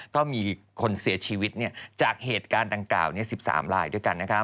ก็มีคนเสียชีวิตจากเหตุการณ์ดังกล่าว๑๓ลายด้วยกัน